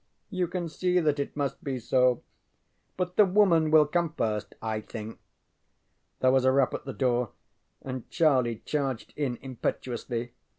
You can see that it must be so. But the woman will come first, I think. ŌĆØ There was a rap at the door, and Charlie charged in impetuously.